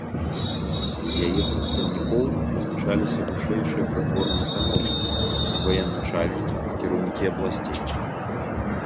З яе прадстаўнікоў прызначаліся вышэйшыя прыдворныя саноўнікі, ваеначальнікі, кіраўнікі абласцей.